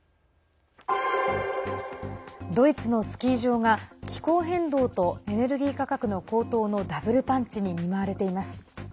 ドイツのスキー場が気候変動とエネルギー価格の高騰のダブルパンチに見舞われています。